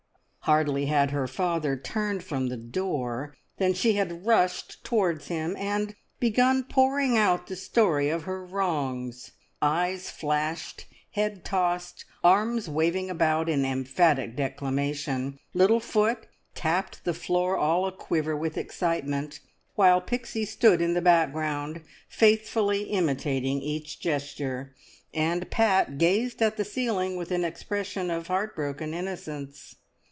Hardly had her father turned from the door than she had rushed towards him, and begun pouring out the story of her wrongs. Eyes flashed, head tossed, arms waving about in emphatic declamation, little foot tapped the floor all a quiver with excitement, while Pixie stood in the background faithfully imitating each gesture, and Pat gazed at the ceiling with an expression of heart broken innocence.